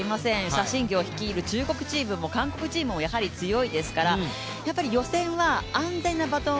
謝震業を率いる、中国チームも韓国チームもやはり強いですからやっぱり予選は安全なバトン